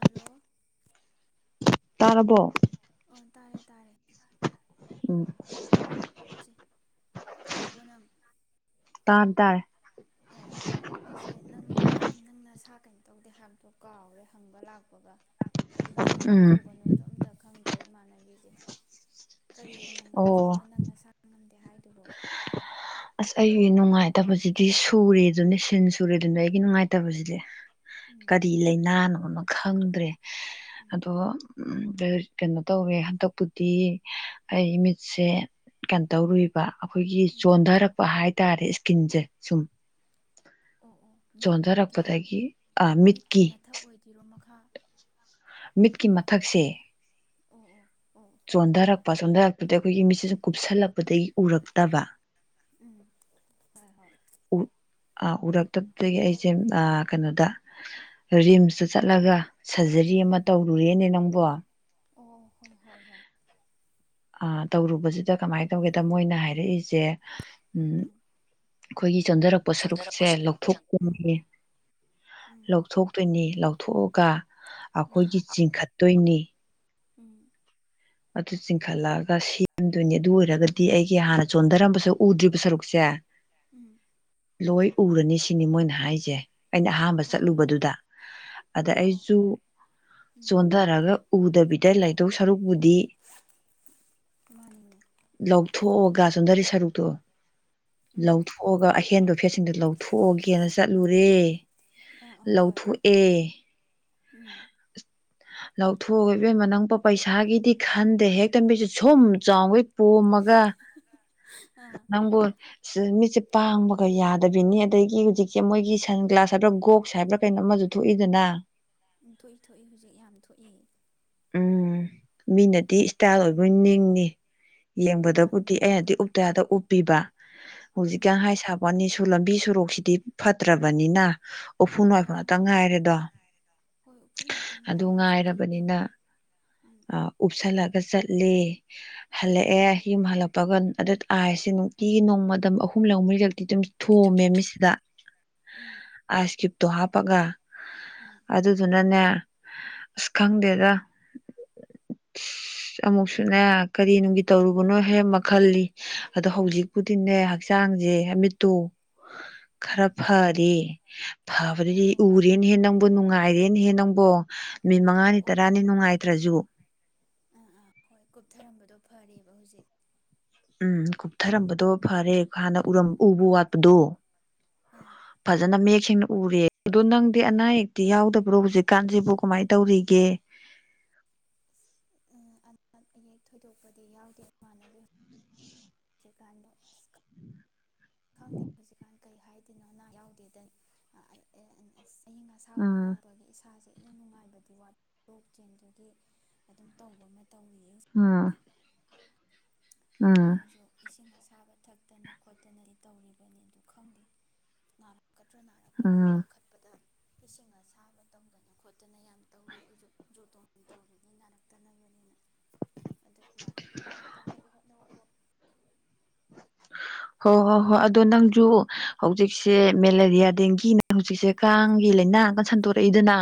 ꯑꯣ ꯇꯥꯔꯕꯣ ꯇꯥꯔꯦ ꯇꯥꯔꯦ ꯎꯝ ꯇꯔꯔꯕꯅꯝ ꯇꯥꯥꯟꯗꯔ ꯑꯣ ꯑꯣ ꯑꯩꯁꯦ ꯅꯪꯁ ꯅꯪꯅ ꯀꯩꯅꯣ ꯇꯧꯗꯦ ꯍꯥꯏꯕꯗꯣ ꯀꯥꯎꯔꯦ ꯍꯪꯕ ꯂꯥꯛꯄꯒ ꯀꯔꯤ ꯀꯃꯥꯏꯅ ꯎꯝ ꯇꯧꯕꯅꯣꯁꯨ ꯑꯝꯇ ꯈꯪꯗ ꯐ꯭ꯔꯦ ꯏꯃꯥꯟꯅꯕꯤꯁꯦ ꯀꯔꯤ ꯑꯣꯏꯅ ꯑꯣ ꯉꯝꯗ꯭ꯔꯤꯅꯣ ꯅꯪ ꯅ ꯁꯥꯥ ꯉꯝꯗꯦ ꯍꯥꯏꯕ ꯠꯇꯕꯣ ꯑꯁ ꯑꯩꯒꯤ ꯅꯨꯡꯉꯥꯏꯇꯕꯁꯤꯗꯤ ꯁꯨꯔꯦ ꯑꯗꯨꯅꯦ ꯁꯤꯟ ꯁꯨꯔꯦꯗꯨꯅ ꯑꯩꯒꯤ ꯅꯨꯡꯉꯥꯏꯇꯕꯁꯤꯗꯤ ꯎꯝ ꯀꯔꯤ ꯂꯩꯥꯏꯅꯥꯅꯣꯅ ꯈꯪꯗ꯭ꯔꯦ ꯎꯝ ꯑꯗꯣ ꯀꯩꯅꯣ ꯇꯧꯋꯦ ꯍꯟꯗꯛꯄꯨꯗꯤ ꯎꯝ ꯑꯩ ꯃꯤꯠꯁꯦ ꯀꯇꯧꯔꯤ ꯑꯩꯈꯣꯏꯒꯤ ꯎꯝ ꯆꯣꯟꯊꯔꯛꯄ ꯍꯥꯏꯇꯥꯔꯦ ꯀꯖꯦ ꯁꯨꯝ ꯑꯣ ꯑꯣ ꯃꯤꯠꯀꯤ ꯆꯣꯟꯊꯔꯛꯄꯗꯒꯤ ꯃꯤꯠꯀꯤ ꯃꯊꯛ ꯑꯣꯏꯗꯣꯏꯔꯣ ꯃꯈꯥ ꯃꯤꯠꯀꯤ ꯃꯊꯛꯁꯦ ꯑꯣ ꯑꯣ ꯆꯣꯟꯊꯔꯛꯄ ꯆꯣꯟꯊꯔꯛꯄꯗ ꯑꯩꯈꯣꯏꯒꯤ ꯃꯤꯠꯁꯤꯁꯨ ꯀꯨꯞꯁꯤꯜꯂꯛꯄꯗꯒꯤ ꯎꯔꯛꯇꯕ ꯎꯝ ꯍꯣꯏ ꯍꯣꯏ ꯍ ꯎꯔꯛꯇꯕꯗꯒꯤ ꯑꯩꯁꯦ ꯀꯩꯅꯣꯗ ꯔꯤꯝꯁꯇ ꯆꯠꯂꯒ ꯁꯔꯖꯔꯤ ꯎꯝ ꯑꯃ ꯇꯧꯔꯨꯔꯦꯅꯦ ꯅꯪꯕꯨ [unintelligible] ꯑꯣ ꯍꯣꯏ ꯍꯣꯏ ꯍꯣꯏ ꯑ ꯇꯧꯔꯨꯕꯁꯤꯗ ꯀꯃꯥꯏꯅ ꯇꯧꯒꯦꯗ ꯃꯣꯏꯅ ꯍꯥꯏꯔꯛꯏꯁꯦ ꯎꯝ ꯑꯩꯈꯣꯏꯒꯤ ꯆꯟꯊꯔꯛꯄ ꯁꯔꯨꯛꯁꯦ ꯆꯣꯟꯊꯔꯛꯄꯁꯨ ꯎꯝ ꯂꯧꯊꯣꯛꯇꯣꯏꯅꯤ ꯎꯝ ꯂꯧꯊꯣꯛꯇꯣꯏꯅꯤ ꯂꯧꯊꯣꯛꯑꯒ ꯎꯝ ꯑꯩꯈꯣꯏꯒꯤ ꯆꯤꯡꯈꯠꯇꯣꯏꯅꯤ ꯎꯝ ꯑꯗꯨ ꯆꯤꯡꯈꯠꯂꯛꯑꯒ ꯁꯦꯝꯗꯣꯏꯅꯤ ꯑꯗꯨ ꯑꯣꯏꯔꯒꯗꯤ ꯑꯩꯒꯤ ꯍꯥꯟꯅ ꯆꯣꯟꯊꯔꯝꯕꯁꯨ ꯎꯗ꯭ꯔꯤꯕ ꯁꯔꯨꯛꯁꯦ ꯎꯝ ꯂꯣꯏ ꯎꯔꯅꯤ ꯁꯤꯅꯤ ꯃꯣꯏꯅ ꯍꯥꯏꯁꯦ ꯑꯩꯅ ꯑꯍꯥꯟꯕ ꯑꯣ ꯆꯠꯂꯨꯕꯗꯨꯗ ꯑꯗ ꯑꯣ ꯑꯣ ꯑꯩꯁꯨ ꯑꯣ ꯎꯝ ꯆꯣꯟꯊꯔꯒ ꯎꯗꯕꯤꯗ ꯏꯇꯩ ꯂꯩꯗꯧꯁꯔꯨꯛꯄꯨꯗꯤ ꯃꯥꯅꯤꯅꯦ ꯂꯧ ꯊꯣꯛꯑꯒ ꯆꯣꯟꯊꯔꯤ ꯁꯔꯨꯛꯇꯣ ꯎꯝ ꯂꯧꯊꯣꯛꯑꯒ ꯑꯍꯦꯟꯕ ꯐꯦꯠꯁꯤꯡꯗꯨꯣ ꯂꯧꯊꯣꯛꯑꯒꯦꯅ ꯆꯠꯂꯨꯔꯦ ꯑꯥ ꯑꯥ ꯍꯣꯏ ꯂꯧꯊꯣꯛꯑꯦ ꯎꯝ ꯂꯧꯊꯣꯛꯑꯣ ꯏꯕꯦꯝꯃ ꯅꯪꯕꯨ ꯄꯩꯁꯥꯒꯤꯗꯤ ꯈꯟꯗꯦ ꯍꯦꯛꯛꯇ ꯃꯤꯠꯁꯦ ꯁꯨꯝ ꯆꯥꯎꯏ ꯄꯣꯝꯃꯒ ꯑꯥ ꯅꯪꯕꯨ ꯃꯤꯠꯁꯦ ꯄꯥꯡꯕꯒ ꯌꯥꯗꯕꯤꯅꯤ ꯑꯗꯒꯤ ꯍꯧꯖꯤꯛꯀꯤ ꯃꯣꯏꯒꯤ ꯁꯟ ꯒ꯭ꯂꯥꯁ ꯍꯥꯏꯕ꯭ꯔꯥ ꯒꯣꯛꯁ ꯍꯥꯏꯕ꯭ꯔꯥ ꯀꯩꯅꯣ ꯑꯃꯁꯨ ꯊꯣꯛꯏꯗꯅ ꯎꯝ ꯊꯣꯛꯏ ꯊꯣꯛꯏ ꯍꯧꯖꯤꯛ ꯌꯥꯝ ꯊꯣꯛꯏ ꯎꯝ ꯃꯤꯅꯗꯤ ꯎꯝ ꯏꯁꯇꯥꯏꯜ ꯑꯣꯏꯕ ꯅꯤꯡꯏ ꯃꯥꯅꯤ ꯌꯦꯡꯕꯗꯕꯨꯗꯤ ꯃꯥꯅꯤ ꯑꯎꯞꯇꯕꯥ ꯌꯥꯗꯕꯩ ꯎꯞꯄꯤꯕ ꯍꯧꯖꯤꯛ ꯀꯥꯟ ꯎꯝ ꯍꯥꯏ ꯁꯥꯕꯩ ꯋꯥꯅꯤ ꯁꯨ ꯂꯝꯕꯤ ꯁꯣꯔꯣꯛꯁꯤꯗꯤ ꯐꯠꯇ꯭ꯔꯕꯅꯤꯅ ꯎꯐꯨ ꯋꯥꯏꯐꯨꯟ ꯃꯥꯅꯤ ꯉꯥꯛꯇ ꯃꯥꯅꯤ ꯉꯥꯏꯔꯦꯗꯣ ꯍꯣꯏ ꯎꯐꯨꯟꯃꯛꯇ ꯑꯗꯨ ꯉꯥꯏꯔꯦ ꯍꯧꯖꯤꯛꯇꯤ ꯉꯥꯏꯔꯕꯅꯤꯅ ꯌꯦꯡꯉꯨ ꯎꯝ ꯎꯞꯁꯜꯂꯛ ꯆꯠꯂꯦ ꯎꯝ ꯍꯟꯂꯛꯑꯦ ꯌꯨꯝ ꯍꯟꯂꯛ ꯄꯥꯒꯟ ꯑꯗꯨ ꯑꯥꯏꯁꯦ ꯅꯨꯡꯇꯤꯒꯤ ꯅꯣꯡꯃꯗ ꯑꯍꯨꯝꯂꯛ ꯃꯔꯤꯔꯛ ꯑꯗꯨꯝ ꯊꯣꯝꯃꯦ ꯃꯤꯠꯁꯤꯗ ꯎꯝ ꯑ꯭ꯥꯏꯁꯀꯤ ꯇꯣ ꯍꯥꯥꯞꯄꯒ ꯑꯗꯨ ꯅꯅꯦ ꯑꯁ ꯈꯪꯗꯦꯗ ꯑꯁ ꯑꯃꯨꯛꯁꯨꯅꯦ ꯀꯔꯤꯅꯅꯨꯡꯒꯤ ꯇꯧꯔꯨ ꯅꯣ ꯍꯦ ꯎꯝ ꯃꯈꯜꯜꯂꯤ ꯑꯗꯣ ꯍꯧꯖꯤꯛ ꯀꯨꯗꯤꯅꯦ ꯎꯝ ꯎꯝ ꯍꯛꯆꯥꯡꯁꯦ ꯃꯤꯠꯇꯣ ꯈꯔ ꯎꯝ ꯐꯔꯦ ꯑꯣ ꯐꯕ꯭ꯔꯗꯤ ꯑꯣ ꯎꯔꯦꯅ ꯍꯦ ꯅꯪꯕ ꯅꯨꯡꯉꯥꯏ ꯉꯥꯏꯔꯦꯅꯦꯍꯦ ꯅꯪꯕꯣ ꯅꯨꯃꯤꯠ ꯑꯣ ꯃꯉꯥꯅꯤ ꯑꯣ ꯇꯔꯥꯅꯤ ꯅꯨꯡꯉꯥꯏꯇ꯭ꯔꯁꯨ ꯑꯥ ꯑꯥ ꯍꯣꯏ ꯀꯨꯞꯊꯔꯝꯕꯗꯣ ꯐꯔꯦꯕ ꯍꯧꯖꯤꯛ ꯎꯝ ꯀꯨꯞꯊꯔꯝꯕꯗꯣ ꯐꯔꯦ ꯍꯅ ꯎꯔ ꯎꯝ ꯎꯕ ꯎꯝ ꯋꯥꯠꯄꯗꯣ ꯑꯥ ꯐꯖꯅ ꯃ ꯁꯦꯡꯅ ꯎꯔꯦ ꯑꯗꯣ ꯅꯪꯗꯤ ꯑꯅꯥ ꯑꯌꯦꯛꯇꯤ ꯌꯥꯎꯗꯕ꯭ꯔꯣ ꯍꯧꯖꯤꯛꯀꯥꯟꯁꯤꯕꯨ ꯀꯃꯥꯏꯅ ꯇꯧꯔꯤꯒꯦ ꯑꯌꯦꯛ ꯊꯣꯏꯗꯣꯛꯄꯗꯤ ꯌꯥꯎꯗꯦ ꯏꯃꯥꯟꯅꯕꯤ ꯍꯧꯖꯤꯛꯀꯥꯟꯗ ꯑꯁ ꯈꯪꯗꯦ ꯍꯧꯖꯤꯛꯀꯥꯟꯗꯤ ꯀꯩ ꯍꯥꯏꯗꯣꯏꯅꯣ ꯅꯥ ꯌꯥꯎꯗꯦꯗ ꯑꯁ ꯑꯏꯪ ꯑꯁꯥ ꯎꯝ ꯍꯅꯔꯕꯒꯤ ꯏꯁꯥꯁꯦ ꯅꯨꯡ ꯅꯨꯡꯉꯥꯏꯕꯗꯤ ꯋꯥꯠ ꯂꯣꯛ ꯆꯦꯟꯗꯨꯒꯤ ꯑꯗꯨꯝ ꯇꯧꯕ ꯑꯃ ꯇꯧꯏ ꯑ ꯑꯗꯨꯅ ꯑꯩꯁꯨ ꯏꯁꯤꯡ ꯑꯁ ꯊꯥꯕ ꯊꯛꯇꯅ ꯈꯣꯠꯇꯅꯗꯤ ꯇꯧꯔꯤꯕꯅꯤ ꯑꯗꯨ ꯈꯪꯗꯦꯛ ꯄꯥꯛꯀꯗ꯭ꯔꯥ ꯅꯥꯔꯛꯀꯗ꯭ꯔꯥ ꯎꯝ ꯄꯥꯈꯠꯄꯗ ꯏꯁꯤꯡ ꯑꯁꯥꯕ ꯇꯧꯗꯅ ꯈꯣꯠꯇꯅ ꯌꯥꯝ ꯇꯧꯔꯤ ꯑꯩꯁꯨ ꯌꯨꯇꯣꯡ ꯇꯧꯔꯤꯅꯤ ꯅꯥꯔꯛꯇꯅꯕꯅꯤꯅ ꯑꯗ ꯏꯃꯥꯟꯅꯕꯤ ꯅꯥꯔꯛꯇꯅꯕꯕꯨ ꯅꯣꯛꯀꯣ ꯍꯣꯏ ꯍꯣꯏ ꯍꯣꯏ ꯑꯗꯣ ꯅꯪꯁꯨ ꯍꯧꯖꯤꯛꯁꯦ ꯃꯦꯂꯦꯔꯤꯌꯥ ꯗꯦꯡꯒꯤꯅ ꯍꯧꯖꯤꯛꯁꯦ ꯀꯥꯡꯒꯤ ꯂꯥꯏꯅꯥꯒ ꯁꯟꯗꯣꯔꯛꯏꯗꯅ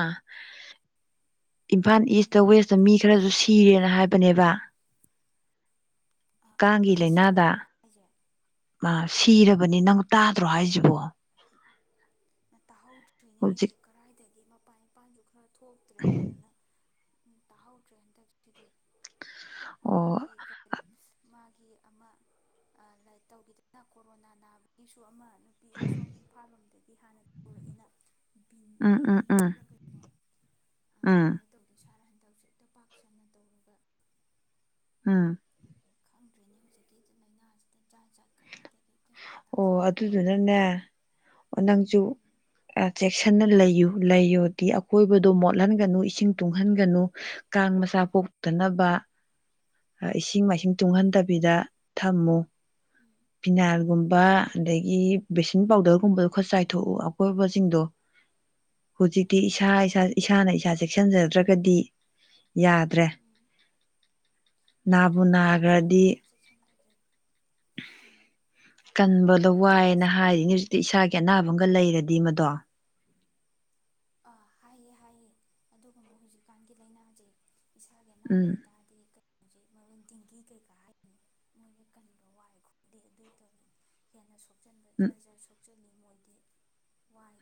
ꯏꯝꯐꯥꯜ ꯍꯣꯏꯅꯦ ꯏꯁꯇ ꯍꯣꯏꯅꯦ ꯋꯦꯁꯇ ꯃꯤ ꯑꯥ ꯌꯥꯝ ꯈꯔꯁꯨ ꯁꯤꯔꯦꯅ ꯍꯥꯏꯕꯅꯦꯕ ꯃꯤ ꯁꯤꯔꯕꯣ ꯍꯥꯏꯁꯦ ꯑ ꯑꯥ ꯁꯤꯔꯕꯅꯤ ꯅꯪ ꯇ ꯗ꯭ꯔꯣ ꯍꯥꯏꯖꯤꯕꯣ ꯍꯧꯖꯤꯛ [unintelligible] ꯀꯔꯥꯏꯗꯒꯤꯅꯣ ꯄꯥꯏ [unintelligible] ꯈꯔ ꯊꯣꯛ [unintelligible] ꯎꯝ ꯇꯥꯍꯧꯗ꯭ꯔꯦ ꯍꯟꯗꯛꯁꯤꯗꯤ ꯑꯣ ꯃꯃꯥꯡꯒꯤ ꯀꯔꯤ ꯒꯤ ꯑꯃ ꯂꯥꯏ ꯇꯧꯈꯤꯗꯅ ꯀꯣꯔꯣꯅꯥ ꯅꯥꯕꯒꯤꯁꯨ ꯑꯃ ꯅꯨꯄꯤ ꯑꯃꯁꯨꯡ ꯏꯝꯐꯥꯜ ꯂꯣꯝꯗꯒꯤ ꯍꯥꯟꯅ ꯍꯧꯔꯛꯑꯦꯅ ꯑꯥ ꯎꯝ ꯎ ꯑ ꯑꯗꯨꯃꯥꯏꯅ ꯇꯧꯗꯦ [inaudible] [inaudible] ꯄꯥꯛ ꯁꯟꯅ ꯇꯧꯔꯒ ꯑꯝ ꯈꯪꯗ꯭ꯔꯦꯅꯦ ꯍꯧꯖꯤꯛꯀꯤ ꯂꯥꯏꯅꯥꯁꯤꯗ ꯖꯥꯠ ꯖꯥ ꯀꯗꯥꯏꯗꯒꯤ ꯒ꯭ꯌꯥꯟꯒ ꯑꯣ ꯇꯥꯖꯕ ꯅꯠꯇꯦ ꯑꯗꯨꯗꯨꯅꯅꯦ ꯅꯪꯁꯨ ꯎꯝ ꯆꯦꯛꯁꯤꯟꯅ ꯂꯩꯌꯨ ꯂꯩꯌꯣꯗꯤ ꯑꯀꯣꯏꯕꯗꯣ ꯃꯣꯠꯍꯟꯒꯅꯨ ꯏꯁꯤꯡ ꯇꯨꯡꯍꯟꯒꯅꯨ ꯀꯥꯡ ꯃꯆꯥ ꯎꯝ ꯄꯣꯛꯇꯅꯕ ꯏꯁꯤꯡ ꯎꯝ ꯃꯥꯏꯁꯤꯡ ꯇꯨꯡꯍꯟꯗꯕꯤꯗ ꯊꯝꯃꯣ ꯕꯤꯅꯥ ꯎꯝ ꯎꯝ ꯑꯗꯒꯤ ꯕꯁꯤꯡ ꯎꯝ ꯄꯥꯎꯗꯔꯒꯨꯝꯕꯗꯣ ꯈꯔ ꯆꯥꯏꯊꯣꯛꯎ ꯑꯀꯣꯏꯕꯁꯤꯡꯗꯣ ꯍꯧꯖꯤꯛꯇꯤ ꯎꯝ ꯏꯁꯥ ꯏꯁ ꯏꯁꯥꯅ ꯏꯁ ꯆꯦꯛꯁꯤꯟꯖꯗ꯭ꯔꯒꯗꯤ ꯌꯥ ꯗꯔꯦ ꯎꯝ ꯃꯥꯅꯤ ꯅꯥꯕꯨ ꯃꯥꯅꯤ ꯏꯁꯥꯅ ꯅꯥꯈ꯭ꯔꯗꯤ ꯏꯁꯥ ꯆꯦꯛꯁꯤꯟꯗ꯭ꯔꯗꯤ ꯎꯝ ꯅꯥꯕꯨ ꯀꯟꯕꯗꯣ ꯅꯥꯔꯗꯤ ꯋꯥꯏꯅ ꯑꯁ ꯍꯥꯏꯔꯤꯅꯦ ꯀꯗꯥꯏ ꯍꯧꯖꯤꯛꯇꯤ ꯏꯁꯥꯒꯤ ꯑꯅꯥꯕ ꯒ ꯂꯩꯔꯗꯤ ꯃꯗꯣ ꯑꯥ ꯍꯥꯏꯌꯦ ꯍꯥꯏꯌꯦ ꯑꯗꯨꯒꯨꯝꯕ ꯍꯧꯖꯤꯛꯀꯥꯟꯒꯤ ꯂꯥꯏꯅꯥꯖꯦ ꯏꯁꯥꯒꯤ ꯑꯅꯥꯕ ꯎꯝ ꯂꯩꯇꯥꯔꯗꯤ ꯍꯧꯖꯤꯛ ꯃꯔꯨ ꯗꯤꯦꯡꯒꯤ ꯀꯩꯀꯥ ꯍꯥꯏꯕꯅꯤ ꯃꯣꯏꯅ ꯀꯟꯕ ꯋꯥꯏ ꯈꯣꯗꯤ ꯑꯗꯨ ꯇꯧ ꯍꯦꯟꯅ ꯁꯣꯛ ꯎꯝ ꯁꯆꯟꯕꯖꯥꯖꯥ ꯁꯣꯛꯆꯅꯤꯡꯅꯤ [inaudible]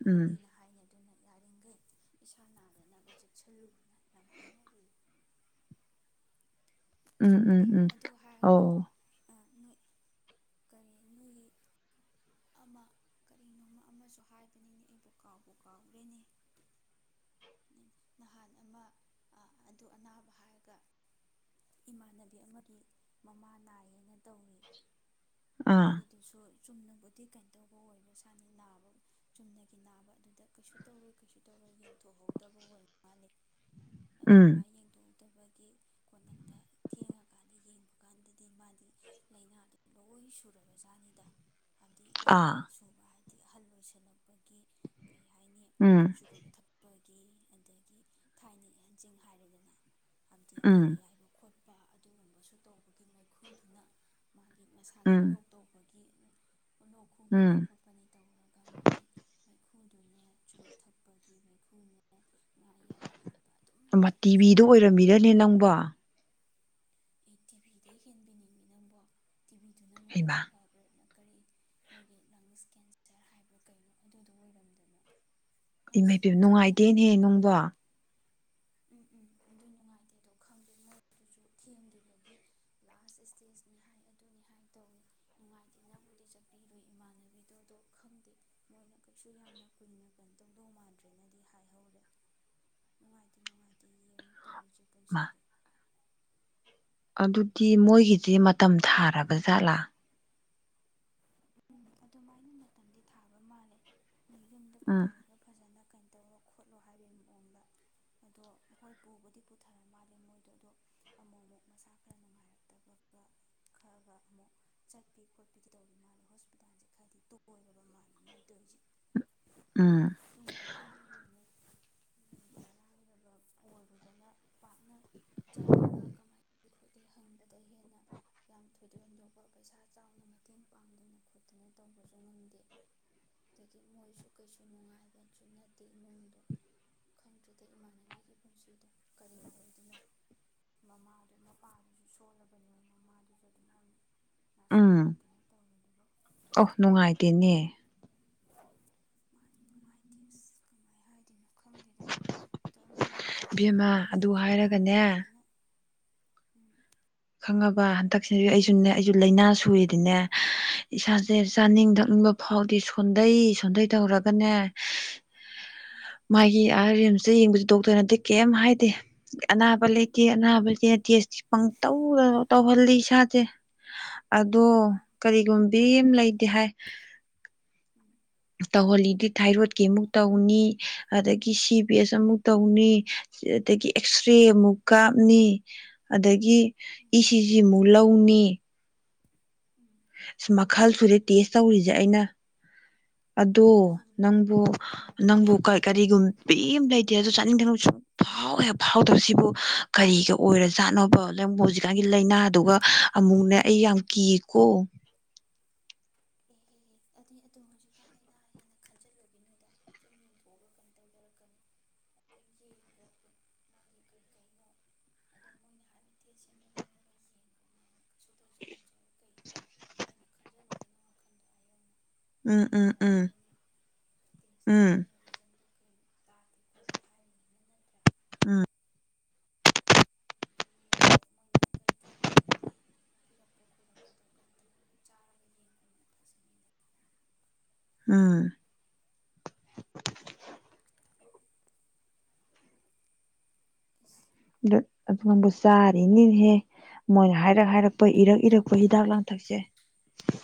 ꯎꯝ ꯍꯥꯏꯅꯤ ꯑꯗꯨꯅ ꯌꯥꯔꯤꯈꯩ ꯏꯁꯥ ꯅꯥꯗꯅꯕ ꯆꯦꯛꯁꯤꯜꯂꯨꯅ ꯌꯥꯝ ꯍꯥꯏꯅꯔꯤ ꯎꯝ ꯑꯦ ꯎꯝ ꯎꯝ ꯑꯗꯨ ꯍꯥꯏꯔꯒ ꯑ ꯅꯣꯏ ꯀꯔꯤ ꯅꯣꯏꯒꯤ ꯑꯃ ꯀꯔꯤꯅꯣꯃ ꯑꯃꯁꯨ ꯍꯥꯏꯕꯅꯤꯅꯦ ꯑꯩꯕꯨ ꯀꯥꯎꯕ ꯀꯥꯎꯔꯦꯅꯦ ꯅꯍꯥꯟ ꯑꯃ ꯑꯗꯨ ꯑꯅꯥꯕ ꯍꯥꯏꯔꯒ ꯏꯃꯥꯟꯅꯕꯤ ꯑꯃꯒꯤ ꯃꯃꯥ ꯅꯥꯏꯌꯦꯅ ꯇꯧꯔꯤ ꯑꯥ ꯃꯣꯏꯒꯤꯗꯨꯁꯨ ꯆꯨꯝꯅꯅꯕ ꯀꯩꯅꯣꯇꯧꯕ ꯑꯣꯏꯕ ꯁꯥꯠꯅꯤ ꯅꯥꯕ ꯆꯨꯝꯅꯒꯤ ꯅꯥꯕ ꯑꯗꯨꯗ ꯀꯩꯁꯨ ꯇꯧꯔꯣꯏ ꯀꯩꯁꯨ ꯇꯧꯔꯣꯏ ꯌꯦꯡꯕ ꯊꯣꯛꯍꯧꯗꯕ ꯑꯣꯏꯔ ꯃꯥꯂꯦ ꯎꯝ ꯑꯗꯨꯃꯥꯏ ꯌꯦꯡꯊꯣꯛꯎ ꯠꯇꯕꯒꯤ ꯀꯣꯟꯅꯨꯡꯪꯗ ꯊꯦꯡꯉꯀꯥꯟꯗ ꯌꯦꯡꯕ ꯀꯥꯟꯗꯗꯤ ꯃꯥꯗꯤ ꯂꯥꯏꯅꯥꯗꯨ ꯂꯣꯏ ꯁꯨꯔꯕꯖꯥꯠꯅꯤꯗ ꯍꯥꯏꯕꯗꯤ ꯑꯥ ꯂꯥꯏꯅꯥ ꯁꯨꯕ ꯍꯥꯏ ꯑꯍꯜ ꯑꯣꯏꯣꯏꯁꯜꯂꯛꯄꯒꯤ ꯀꯩ ꯍꯥꯏꯅꯤ ꯎꯝ ꯆꯨꯔꯨꯞ ꯊꯛꯄ ꯀ ꯑꯗꯒꯤ ꯊꯥꯏꯅꯍꯟꯖꯤꯡ ꯍꯥꯏꯔꯗꯅ ꯍꯥꯏꯕꯗꯤ ꯎꯝ ꯉꯥ ꯌꯥꯏꯕ ꯈꯣꯠꯄ ꯑꯗꯨꯒꯨꯝꯕꯁꯨ ꯇꯧꯕꯒꯤ ꯃꯩꯈꯨꯗꯨꯅ ꯃꯥꯒꯤ ꯃꯁꯥꯒꯤ ꯎꯝ ꯂꯣꯛ ꯇꯧꯕꯗ ꯎꯠꯂꯣꯛ ꯈꯨꯕꯅꯤ ꯎꯝ ꯈꯣꯠꯄꯅꯤ ꯇꯧꯔꯒ ꯃꯥꯗꯤ ꯃꯩꯈꯨꯗꯨꯅꯦ ꯆꯨꯔꯨꯞ ꯊꯛꯄꯒꯤ ꯃꯩꯈꯨꯅꯦ ꯉꯥ ꯑꯌꯥꯏꯕ ꯈꯣꯠꯄ ꯑꯗꯨꯝ ꯆꯍꯤ ꯇꯤꯚꯤꯗ ꯑꯣꯏꯔꯝꯃꯤꯔꯅꯦ ꯅꯪꯕ ꯑꯩ ꯇꯤꯚꯤꯗ ꯍꯦꯟꯕꯤꯅꯤꯡꯤ ꯅꯕꯣ ꯇꯤꯚꯕꯤꯗꯨꯅ ꯑꯃꯨꯛ ꯍꯩꯃꯥ ꯈꯔ ꯐꯈ꯭ꯔꯦꯗ ꯃꯣꯏꯒꯤ ꯂꯪꯁ ꯀꯦꯟꯁꯔ ꯍꯥꯏꯕ꯭ꯔꯥ ꯀꯩꯅꯣ ꯑꯗꯨꯗꯣ ꯑꯣꯏꯔꯝꯗꯅ ꯑꯁ ꯏꯃꯩ ꯄ ꯖꯥꯠ ꯖꯥꯠꯅꯤꯀꯣ ꯅꯨꯡꯉꯥꯏꯇꯦꯅꯦꯍꯦ ꯑꯗꯨꯅ ꯅꯅꯨꯡꯗꯣ ꯎꯝ ꯎꯝ ꯑꯗꯨ ꯅꯨꯡꯉꯥꯏꯇꯦ ꯑꯗꯣ ꯈꯪꯗꯦ ꯃꯣꯏ ꯑꯗꯨꯁꯨ ꯊꯦꯡꯈꯤꯕꯒꯤ ꯂꯥꯁ ꯏꯁꯇꯦꯖꯅꯤ ꯍꯥꯏ ꯑꯗꯨꯅꯤ ꯍꯥꯏ ꯇꯧꯏꯤ ꯅꯨꯡꯉꯥꯏꯇꯦ ꯅꯕꯨꯗꯤꯠ ꯏꯔꯨꯏ ꯏꯃꯥꯟꯅꯕꯤꯗꯨꯗꯣ ꯈꯪꯗꯦ ꯃꯣꯏꯅ ꯀꯩꯁꯨ ꯌꯥꯝꯅ ꯀꯨꯏꯅ ꯀꯩꯅꯣ ꯇꯧꯗꯧ ꯃꯥꯟꯗ꯭ꯔꯦꯅꯗꯤ ꯍꯥꯏꯍꯧꯔꯦ ꯅꯨꯡꯉꯥꯏꯇꯦ ꯅꯨꯡꯉꯥꯏꯇꯦ ꯌꯦꯡꯉꯨ ꯇꯧꯔꯤꯁꯦ ꯑꯩ ꯃꯥ ꯀꯣꯏꯁꯤꯡꯁꯦ ꯑꯗꯨꯗꯤ ꯃꯣꯏꯒꯤꯁꯦ ꯃꯇꯝ ꯊꯥꯔꯕ ꯖꯥꯠꯂꯥ ꯑꯗꯨꯃꯥꯏꯅ ꯃꯇꯝꯗꯤ ꯊꯥꯕ ꯃꯥꯜꯂꯦ ꯌꯨꯝꯗ ꯑꯥ ꯄꯨꯊꯔꯒ ꯐꯖꯅ ꯀꯩꯅꯣ ꯇꯧꯔꯣ ꯈꯣꯠꯂꯣ ꯍꯥꯏꯕꯒꯤ ꯃꯑꯣꯡꯗ ꯑꯗꯣ ꯍꯣꯏ ꯄꯨꯕꯨꯗꯤ ꯄꯨꯊꯔ ꯃꯥꯜꯂꯦ ꯃꯣꯏꯗꯣ ꯑꯗꯣ ꯑꯃꯨꯛ ꯑꯃꯨꯛ ꯃꯁꯥ ꯈꯔ ꯅꯨꯡꯉꯥꯏꯔꯛꯇꯕꯒ ꯈꯔꯒ ꯑꯃꯨꯛ ꯆꯠꯄꯤ ꯈꯣꯠꯄꯤꯒꯩ ꯇꯧꯔꯤ ꯃꯥꯜꯂꯦ ꯍ ꯍꯄꯤꯇꯥꯟꯁꯦ ꯈꯔꯗꯤ ꯇꯨꯀꯣꯏꯔꯕ ꯃꯥꯜꯜꯂꯤꯦ ꯃꯣꯏꯗꯣ ꯑꯩꯁꯦ ꯑꯥ ꯃꯅꯤꯄ ꯂ ꯂꯩꯔꯕ ꯑꯋꯥꯏꯔꯕꯅ ꯄꯥꯛꯅ ꯆꯠꯂꯒ ꯀꯃꯥꯏꯅ ꯈꯣꯠꯂꯤ ꯍꯪꯕꯗ ꯍꯦꯟꯅ ꯌꯥꯝ ꯊꯣꯏꯗꯣꯛ ꯍꯦꯟꯗꯣꯛꯄ ꯄꯩꯁꯥ ꯆꯥꯎꯅ ꯃꯇꯦꯡ ꯄꯥꯡꯗꯨꯅ ꯈꯣꯠꯇꯅ ꯇꯧꯕꯁꯨ ꯉꯪꯗꯦ ꯑꯗꯒꯤ ꯃꯣꯏꯁꯨ ꯀꯩꯁꯨ ꯅꯨꯡꯉꯥꯏꯕꯁꯨ ꯅꯠꯇꯦ ꯏꯃꯨꯡꯗꯣ ꯈꯪꯗ꯭ꯔꯗ ꯏꯃꯥꯟꯅꯕꯤꯒꯤ ꯄꯨꯟꯁꯤꯗꯣ ꯀꯔꯤ ꯑꯣꯏꯗꯣꯏꯅꯣ ꯃꯃꯥꯗꯨ ꯃꯄꯥꯗꯨꯁꯨ ꯁꯣꯜꯂꯕꯅꯤꯣ ꯃꯃꯥꯗꯨꯁꯨ ꯑꯗꯨꯃꯥꯏꯅ ꯎꯝ ꯅꯥꯁꯤꯜꯂꯛꯇꯅ ꯇꯧꯃꯤꯕ ꯑꯣ ꯅꯨꯡꯉꯥꯏꯇꯦꯅꯦ ꯀꯅꯣ ꯈꯪꯗꯦꯗ ꯑꯗꯣ ꯑꯃꯔꯣꯝꯗꯗꯤ ꯏꯕꯦꯝꯃ ꯑꯗꯨ ꯀꯨꯏꯅ ꯍꯥꯏꯔꯒꯅꯦ ꯅꯥꯔꯛꯑꯕꯅꯤꯅ ꯎꯝ ꯈꯪꯉꯕ ꯍꯟꯗꯛꯁꯦ ꯑꯩꯁꯨꯅꯦ ꯑꯩꯁꯨ ꯂꯥꯏꯅꯥ ꯁꯨꯔꯦꯗꯤꯅꯦ ꯏꯁꯥꯁꯦ ꯆꯥꯅꯤꯡ ꯊꯛꯅꯤꯡꯕ ꯐꯥꯎꯗꯤ ꯁꯣꯟꯊꯩ ꯁꯣꯟꯊꯩ ꯇꯧꯔꯒꯅꯦ ꯎꯝ ꯃꯥꯒꯤ ꯑꯥꯏ ꯔꯤꯁꯇ ꯌꯦꯡꯕꯁ ꯗꯣꯛꯇꯔꯅ ꯑꯗꯤ ꯀꯩꯝ ꯍꯥꯏꯗꯦ ꯑꯅꯥꯕ ꯂꯩꯇꯦ ꯎꯝ ꯑꯅꯥꯕ ꯂꯩꯇꯦ ꯇꯦꯁꯇꯤ ꯇꯧꯅ ꯇꯧꯍꯜꯂꯤ ꯏꯁꯥꯁꯦ ꯑꯗꯣ ꯑꯥ ꯑꯥ ꯀꯔꯤꯒꯨꯝꯕꯤ ꯑꯃ ꯂꯩꯇꯦ ꯎꯝ ꯍꯥꯏ ꯎꯝ ꯇꯧꯍꯜꯂꯤꯗꯤ ꯊꯥꯏꯔꯣꯠꯀꯤ ꯑꯃꯨꯛ ꯇꯧꯅꯤ ꯑꯗꯒꯤ ꯁꯤ ꯕꯤ ꯑꯦꯁ ꯑꯃꯨꯛ ꯇꯧꯅꯤ ꯑꯗꯒꯤ ꯑꯦꯛꯁꯔꯦ ꯎꯝ ꯑꯃꯨꯛ ꯀꯥꯞꯅꯤ ꯑꯗꯒꯤ ꯎꯝ ꯏ ꯁꯤꯖꯤ ꯑꯃꯨꯛ ꯎꯝ ꯑ ꯃꯈꯜ ꯁꯨꯔꯦ ꯇꯦꯁ ꯇꯧꯔꯤꯁꯦ ꯑꯩꯅ ꯑꯗꯣ ꯁꯨꯔꯤꯅꯤ ꯅꯪꯕꯨ ꯅꯪꯒꯤꯗꯨꯗꯤ ꯃꯈꯜ ꯅꯪꯕꯨ ꯑꯃ ꯀꯔꯤꯒꯨꯝ ꯑꯗꯨ ꯆꯥꯅꯤꯡ ꯊꯛꯅꯤꯡ ꯁꯨꯝ ꯐꯥꯎꯋꯦ ꯐꯥꯎꯗꯕꯁꯤꯕꯨ ꯀꯔꯤꯒ ꯑꯣꯏꯔ ꯆꯥꯠꯣꯅꯕ ꯂ ꯍꯧꯖꯤꯛꯀꯥꯟꯒꯤ ꯂꯥꯏꯅꯥꯗꯨꯒ ꯑꯃꯨꯛꯅꯦ ꯑꯩ ꯌꯥꯝ ꯀꯤꯌꯦꯀꯣ ꯑꯗꯨꯗꯤ ꯑꯗꯨꯝ ꯍꯧꯖꯤꯛꯀꯥꯟꯗ ꯑꯅꯥ ꯍꯦꯟꯅ ꯈꯥꯖꯤꯜꯂꯨꯒꯤꯗꯨꯗ ꯁꯨꯝ ꯌꯦꯡꯊꯣꯛꯑꯒ ꯀꯩꯅꯣ ꯇꯧꯖꯔꯛꯀꯅꯤꯝ ꯌꯦꯡꯉꯣ ꯃꯣꯏꯒꯤ ꯀꯩ ꯀꯩꯅꯣ ꯑꯗꯣ ꯃꯣꯏꯅ ꯍꯥꯏꯕꯠꯇꯦ ꯁꯦꯡꯅ ꯂꯧꯔꯒ ꯌꯦꯡꯉꯣ [inaudible] ꯈꯟꯖꯜꯂꯨꯒꯤꯅꯣ ꯋꯥꯈꯟꯗꯣ ꯑꯥ ꯌꯧꯅ ꯎꯝ ꯑꯗꯨꯝ ꯎꯝ ꯎꯝ ꯐꯖꯔꯛꯀꯅꯤ ꯇꯦꯁꯇꯣ ꯎꯝ ꯃꯣꯏꯅ ꯔꯤꯖꯟꯗꯣ ꯇꯥꯗꯦ ꯈꯣꯠꯇꯦ ꯍꯥꯏꯔꯤꯅꯤꯅ ꯅꯠꯇ꯭ꯔꯥ ꯎꯝ ꯑꯗꯨ ꯌꯦꯡꯉꯣ ꯃꯣꯏꯅ ꯀꯩ ꯀꯩ ꯍꯤꯗꯥꯛ ꯒꯨꯂꯤ ꯄꯤꯔꯛꯄ ꯈꯣꯠꯂꯛꯄꯗꯣ ꯀꯥꯏ ꯇꯧꯔꯒ ꯆꯥꯔꯒ ꯌꯦꯡꯉꯣ ꯎꯝ [unintelligible] [unintelligible] ꯆꯥꯔꯤꯅꯤꯍꯦ ꯃꯣꯏꯅ ꯍꯥꯏ ꯍꯥꯏꯔꯛ ꯍꯥꯏꯔꯛꯄ ꯏꯔꯛ ꯎꯝ ꯏꯔꯛꯄ ꯍꯤꯗꯥꯛ ꯂꯥꯡꯊꯛꯁꯦ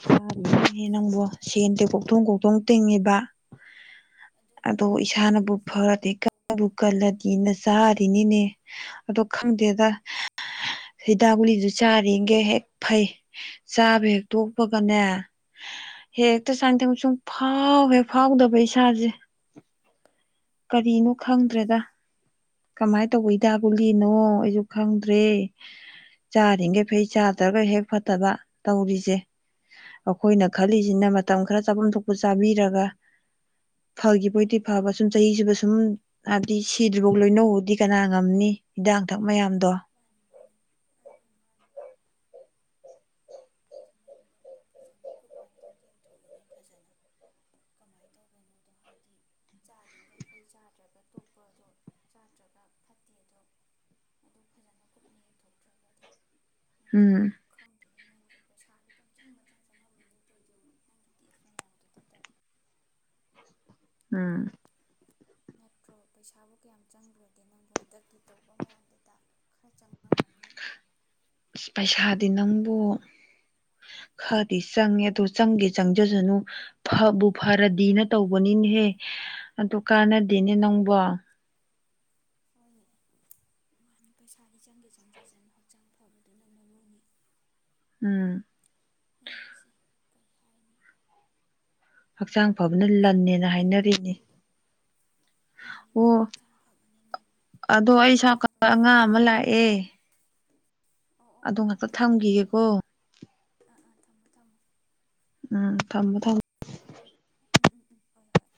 [unintelligible] ꯑꯁ ꯅꯪꯕꯣ ꯑꯗꯨ ꯅꯪꯁꯨ ꯁꯦꯟꯗꯦ ꯀꯣꯛꯊꯣꯡ ꯀꯣꯛꯊꯣꯡ ꯎꯝ ꯇꯤꯡꯉꯤꯕ ꯑꯗꯨꯅꯤꯅꯦ ꯑꯗꯣ ꯅꯪꯒꯤ ꯏꯁꯥꯅꯕꯨ ꯇꯦꯁ ꯐꯔꯗꯤ ꯃꯌꯥꯝꯗꯣ ꯀꯟꯕꯨ ꯇꯧꯕꯗ ꯀꯜꯂꯗꯤꯅ ꯆꯥꯔꯤꯅꯤꯅꯦ ꯑꯗꯣ ꯈꯪꯗꯦꯗ ꯎꯝ ꯍꯤꯗꯥꯛ ꯒꯨꯂꯤꯗꯨ ꯆꯥꯔꯤꯒꯩ ꯍꯦꯛ ꯐꯩ ꯆꯥꯕ ꯍꯦꯛ ꯎꯝ ꯇꯣꯛꯄꯒꯅꯦ ꯍꯦꯛꯇ ꯎꯝ ꯆꯥꯅꯤꯡ ꯊꯛꯅꯤꯡ ꯁꯨꯡꯐꯥꯎ ꯍꯦꯛ ꯐꯥꯎꯗꯕ ꯏꯁꯥꯁꯦ ꯀꯔꯤꯅꯣ ꯈꯪꯗ꯭ꯔꯦꯗ ꯑꯁ ꯀꯃꯥꯏꯅ ꯇꯧꯕ ꯒꯨꯂꯤꯅꯣ ꯑꯩꯁꯨ ꯈꯪꯗ꯭ꯔꯦ ꯆꯥꯔꯤꯈꯩ ꯎꯝ ꯐꯩ ꯆꯥꯗ꯭ꯔꯒ ꯍꯦꯛ ꯐꯠꯇꯕ ꯇꯧꯔꯤꯁꯦ ꯑꯩꯈꯣꯏꯅ ꯈꯜꯂꯤꯁꯤꯅ ꯃꯇꯝ ꯈꯔ ꯅꯪꯗꯨꯕꯣ ꯆꯥꯐꯝ ꯊꯣꯛꯄ ꯆꯥꯕꯤꯔꯒ ꯎꯝ ꯐꯈꯤꯕꯑꯣꯏꯗꯤ ꯐꯕ ꯁꯨꯝ ꯆꯍꯤ ꯆꯨꯞꯄꯥ ꯁꯨꯝ ꯍꯥꯏꯕꯗꯤ ꯁꯤꯗ꯭ꯔꯤꯐꯥꯎ ꯂꯣꯏꯅꯧꯗꯤ ꯀꯅꯥꯅ ꯉꯝꯅꯤ ꯍꯤꯗꯥꯛ ꯂꯥꯡꯊꯛ ꯃꯌꯥꯝꯗꯣ ꯃꯥꯅꯤ ꯃꯥꯅꯤ ꯑꯥ ꯑꯥ ꯃꯥꯅꯤ ꯑꯗꯨ ꯅꯪꯒꯤꯗꯣ ꯀꯨꯞꯅ ꯑꯝꯇꯪ ꯌꯦꯡꯊꯣꯛꯏꯅꯦ ꯐꯖꯅ ꯀꯃꯥꯏꯅ ꯇꯧꯕꯅꯣꯗꯣ ꯍꯥꯏꯗꯤ ꯆꯥꯔꯤꯈꯩ ꯐꯩ ꯆꯥꯗ꯭ꯔꯒ ꯇꯣꯛꯄ ꯑꯗꯣ ꯆꯥꯗ꯭ꯔꯒ ꯐꯠꯇꯦꯗꯣ ꯑꯗꯨ ꯐꯖꯅ ꯀꯨꯞꯅ ꯌꯦꯡꯊꯣꯛꯇ꯭ꯔꯒꯗꯤ ꯅꯠꯇ꯭ꯔꯒ ꯎꯝ ꯈꯪꯗꯦꯅꯦ ꯅꯪꯒꯤꯁꯨ ꯄꯩꯁꯥꯗꯤ ꯄꯪꯆꯪꯗ ꯆꯪ ꯃꯌꯥꯝꯗꯨꯗꯇ ꯎꯝ ꯅꯠꯇ꯭ꯔꯣ ꯄꯩꯁꯥꯕꯨ ꯀꯌꯥꯝ ꯆꯪꯈ꯭ꯔꯒꯦ ꯅꯪꯕꯨ ꯍꯟꯗꯛꯀꯤ ꯇꯧꯕꯗꯨꯗꯥ ꯃꯌꯥꯝꯕꯨꯗꯤ ꯈꯔ ꯆꯪꯉꯝꯃꯅꯤ ꯑ ꯄꯩꯁꯥꯗꯤ ꯅꯪꯕꯨ ꯈꯔꯗꯤ ꯆꯪꯉꯦ ꯑꯗꯨ ꯆꯪꯒꯦ ꯆꯪꯖꯁꯅꯨ ꯐꯕꯨ ꯐꯔꯗꯤꯅ ꯇꯧꯕꯅꯤꯅꯦꯍꯦ ꯑꯗꯨ ꯀꯥꯟꯅꯗꯦꯅꯦ ꯃꯥꯅꯤ ꯅꯪꯕꯣ ꯃꯥꯅꯤ ꯍꯣꯏꯅꯦ ꯃꯥꯅꯤ ꯄꯩꯁꯥꯗꯤ ꯆꯪꯒꯦ ꯆꯪꯖꯁꯅꯨ ꯍꯛꯆꯥꯡ ꯐꯕꯗꯨꯅ ꯃꯔꯨꯅꯤ ꯎꯝ ꯅꯣꯏꯁꯦ ꯀꯩ ꯍꯥꯏꯅꯤ ꯍꯛꯆꯥꯡ ꯐꯕꯅ ꯐꯖꯅ ꯂꯟꯅꯦꯅ ꯅꯪꯁꯨ ꯍꯤꯗꯥꯛ ꯍꯥꯏꯅꯔꯤꯅꯤ ꯒꯨꯂꯤꯗꯣ ꯃꯥꯅꯤ ꯑꯣ ꯃꯥꯅꯤ ꯍꯛꯆꯥꯡ ꯐꯕꯅ ꯂꯟꯅꯤ ꯑꯗꯣ ꯑꯩ ꯁꯥꯀ ꯍꯤꯗꯥꯛ ꯀꯨꯂꯤꯗꯣ ꯑꯉꯥꯡ ꯑꯃ ꯐꯖꯅ ꯆꯥꯊꯣꯛ ꯑꯣ ꯑꯣ ꯑꯗꯨ ꯍꯣꯏ ꯉꯥꯛꯇ ꯍꯣꯏ ꯌꯥꯏꯌꯦ ꯊꯝꯈꯤꯒꯦꯀꯣ ꯌꯥꯏꯌꯦ ꯊꯝꯃꯣ ꯊꯝꯃꯣ ꯎꯝ ꯊꯝꯃꯦ ꯊꯝꯃꯦ ꯎꯝ ꯎꯝ ꯎꯝ ꯍꯣꯏ ꯍꯣꯏ